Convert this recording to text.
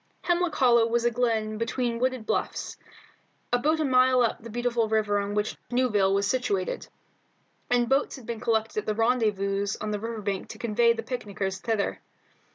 Hemlock Hollow was a glen between wooded bluffs, about a mile up the beautiful river on which Newville was situated, and boats had been collected at the rendezvous on the river bank to convey the picnickers thither.